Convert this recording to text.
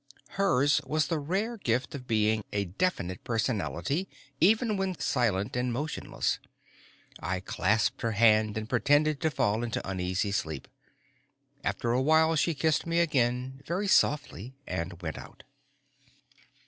Hers was the rare gift of being a definite personality even when silent and motionless. I clasped her hand and pretended to fall into uneasy sleep. After a while she kissed me again, very softly, and went out.